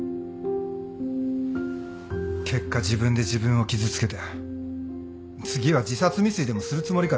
結果自分で自分を傷つけて次は自殺未遂でもするつもりかよ。